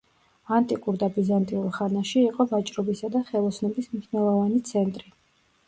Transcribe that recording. ანტიკურ და ბიზანტიურ ხანაში იყო ვაჭრობისა და ხელოსნობის მნიშვნელოვანი ცენტრი.